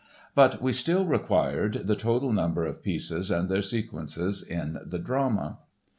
But we still required the total number of pieces and their sequence in the drama...."